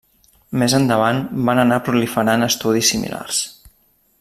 Més endavant van anar proliferant estudis similars.